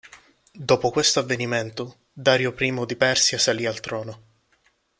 Dopo questo avvenimento, Dario I di Persia salì al trono.